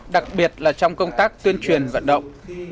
đặc biệt là trong công tác tuyên truyền vận động